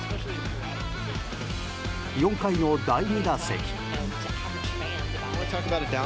４回の第２打席。